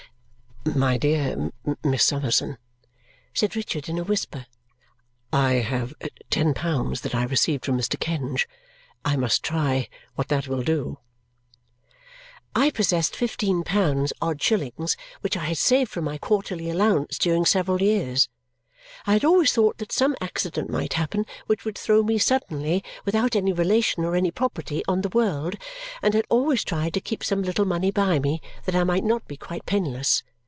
"My dear Miss Summerson," said Richard in a whisper, "I have ten pounds that I received from Mr. Kenge. I must try what that will do." I possessed fifteen pounds, odd shillings, which I had saved from my quarterly allowance during several years. I had always thought that some accident might happen which would throw me suddenly, without any relation or any property, on the world and had always tried to keep some little money by me that I might not be quite penniless.